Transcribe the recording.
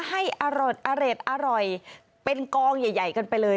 ให้อร่อยเป็นกองใหญ่กันไปเลย